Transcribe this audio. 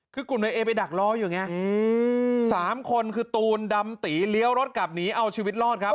คือกลุ่มนายเอไปดักรออยู่ไงสามคนคือตูนดำตีเลี้ยวรถกลับหนีเอาชีวิตรอดครับ